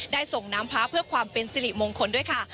ส่งน้ำพระเพื่อความเป็นสิริมงคลด้วยค่ะ